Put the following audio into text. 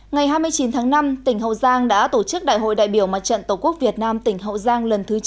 ngày hai mươi chín tháng năm tỉnh hậu giang đã tổ chức đại hội đại biểu mặt trận tổ quốc việt nam tỉnh hậu giang lần thứ chín